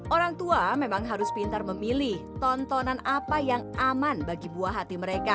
orang tua memang harus pintar memilih tontonan apa yang aman bagi buah hati mereka